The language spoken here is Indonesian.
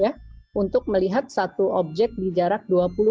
jadi kita bisa melihat satu objek di jarak dua puluh feet